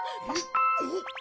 おっ？